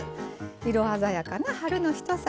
色鮮やかな春の一皿。